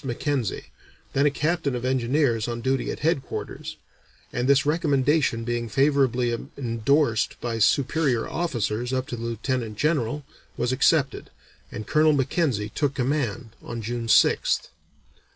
Mackenzie, then a captain of engineers on duty at headquarters, and this recommendation being favorably endorsed by superior officers up to the Lieutenant General, was accepted, and Colonel Mackenzie took command on June 6th.